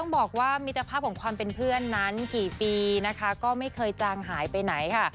บอกว่ามิตรภาพของความเป็นเพื่อนนั้นกี่ปีนะคะก็ไม่เคยจางหายไปไหนค่ะ